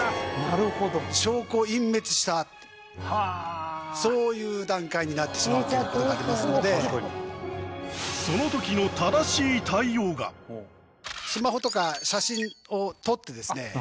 なるほど「証拠隠滅した」ってそういう段階になってしまうということがありますのでそのときのスマホとか写真を撮ってですね